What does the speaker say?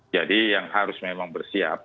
jadi yang harus memang bersiap